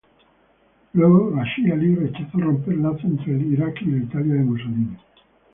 Luego, Rashid Ali rechazó romper lazos entre Irak y la Italia de Mussolini.